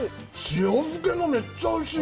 塩漬けがめっちゃおいしい。